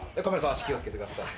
足気を付けてください。